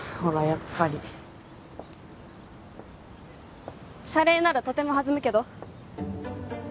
やっぱり謝礼ならとても弾むけど？